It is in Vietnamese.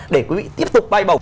để quý vị tiếp tục bay bầu